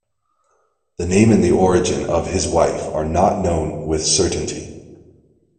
The name and the origin of his wife are not known with certainty.